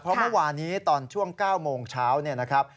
เพราะเมื่อวานนี้ตอนช่วง๙โมงเช้า